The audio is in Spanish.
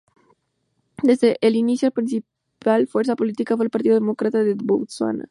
Desde el inicio la principal fuerza política fue el Partido Democrático de Botsuana.